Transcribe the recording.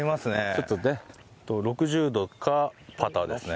ちょっとね６０度かパターですね。